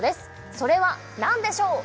それは何でしょう？